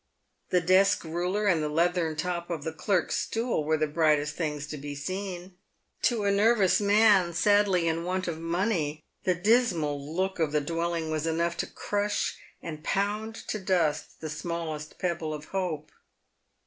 The desk ruler and the leathern top of the clerk's stool were the brightest things to be seen. To a nervous man sadly in want of money the dismal look of the dwelling was enough to crush and pound to dust the smallest pebble of hope.